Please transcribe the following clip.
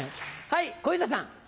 はい小遊三さん。